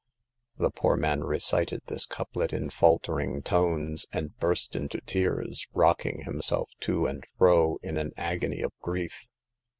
"' The poor man recited this couplet in faltering tones, and burst into tears, rocking himself to and fro in an agony of grief.